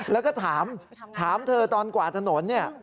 แล้วก็ถามถามเธอตอนกวาดถนนเนี่ย